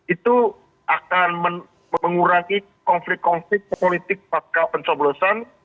itu akan mengurangi konflik konflik politik pasca pencoblosan